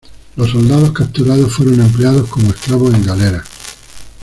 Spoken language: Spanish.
Los soldados capturados fueron empleados como esclavos en galeras.